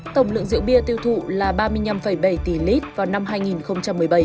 tổng lượng rượu bia tiêu thụ là ba mươi năm bảy tỷ lít vào năm hai nghìn một mươi bảy